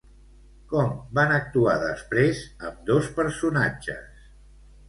Com van actuar després ambdós personatges?